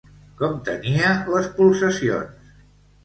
Com tenia les pulsacions?